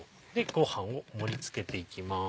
ご飯を盛り付けていきます。